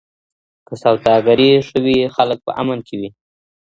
که سوداګري ښه وي خلګ په امن کي وي.